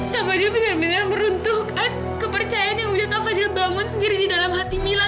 kak fadil benar benar meruntuhkan kepercayaan yang udah kak fadil bangun sendiri di dalam hati mila